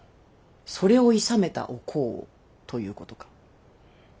それをいさめたお幸をということか。